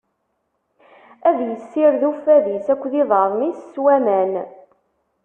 Ad issired uffad-is akked iḍarren-is s waman.